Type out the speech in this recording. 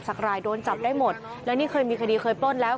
รายโดนจับได้หมดแล้วนี่เคยมีคดีเคยปล้นแล้ว